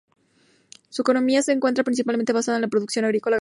Su economía se encuentra principalmente basada en la producción agrícola-ganadera.